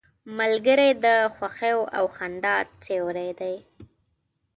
ملګری د خوښیو او خندا سیوری دی